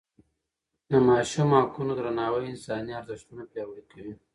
د ماشوم حقونو درناوی انساني ارزښتونه پیاوړي کوي.